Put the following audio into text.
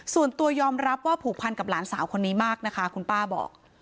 ส่วนตัวยอมรับว่าผูกพันกับหลานสาวคนนี้มากนะคะคุณป้าบอก